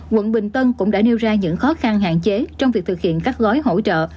quận bình tân cũng đã nêu ra những khó khăn hạn chế trong việc thực hiện các gói hỗ trợ